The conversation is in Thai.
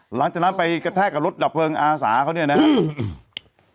หลังจากนั้นไปกระแทกกับรถดับเพลิงอาสาเขาเนี่ยนะครับ